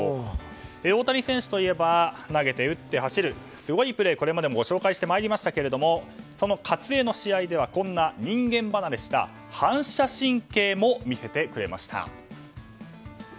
大谷選手といえば投げて打って走るすごいプレーをこれまでもご紹介してまいりましたがその「かつエ」の試合ではこんな人間離れした反射神経も見せてくれました。